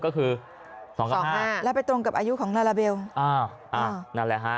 ก็คือสองสามสองห้าแล้วไปตรงกับอายุของลาลาเบลอ้าวอ่านั่นแหละฮะ